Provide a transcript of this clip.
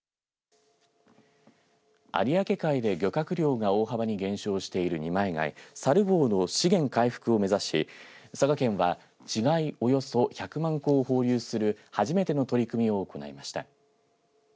有明海で漁獲量が大幅に減少している二枚貝サルボウの資源回復を目指し佐賀県は稚貝およそ１００万個を放流する初めての取り組みを行いました。